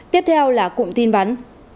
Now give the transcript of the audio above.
tiếp theo là cụm tin bắn